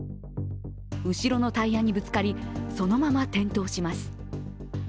後ろのタイヤにぶつかり、そのまま転倒します。